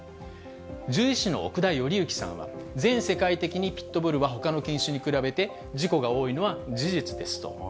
獣医師の奥田順之さんは、全世界的にピットブルはほかの犬種に比べて事故が多いのは事実ですと。